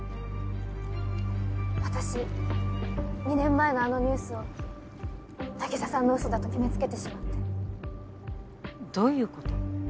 私２年前のあのニュースを凪沙さんのウソだと決め付けてしまってどういうこと？